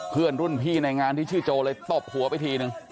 เพื่อนรุ่นพี่ในงานที่ชื่อโจเลยตบหัวไปทีนึง